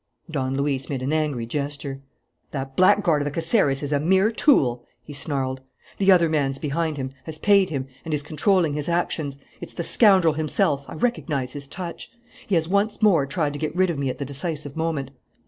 Don Luis made an angry gesture. "That blackguard of a Caceres is a mere tool," he snarled. "The other man's behind him, has paid him, and is controlling his actions. It's the scoundrel himself; I recognize his touch. He has once more tried to get rid of me at the decisive moment."